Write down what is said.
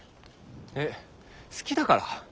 えっ好きだから？